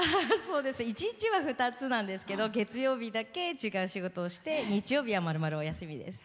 １日は２つなんですけど月曜日だけ違う仕事をして日曜日はまるまるお休みですね。